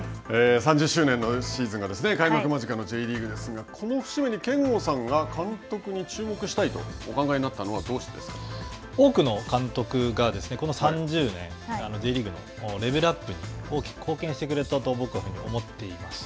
３０周年のシーズンが開幕間近のＪリーグですがこの節目に憲剛さんが監督に注目したいとお考えになったのは多くの監督がこの３０年Ｊリーグのレベルアップに大きく貢献してくれたと僕は思っています。